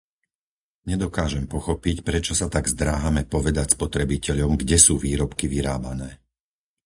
Nedokážem pochopiť, prečo sa tak zdráhame povedať spotrebiteľom, kde sú výrobky vyrábané.